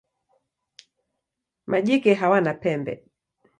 Majike hawana pembe.